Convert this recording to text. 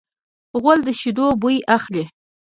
غول د شیدو بوی اخلي.